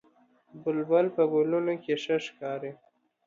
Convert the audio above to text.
بلبل په ګلونو کې ښه ښکاري